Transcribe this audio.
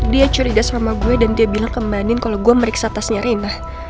dia curiga sama gue dan dia bilang ke mandiin kalo gue meriksa tasnya reina